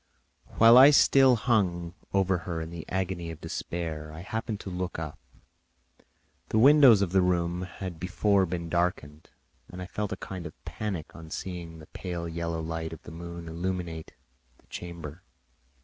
While I still hung over her in the agony of despair, I happened to look up. The windows of the room had before been darkened, and I felt a kind of panic on seeing the pale yellow light of the moon illuminate the chamber.